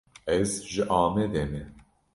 Ez ji Amedê me.